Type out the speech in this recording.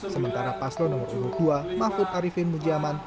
sementara paslo nomor dua mahfud arifin mujiaman